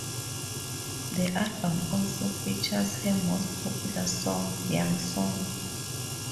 The album also features her most popular song, "Your Song".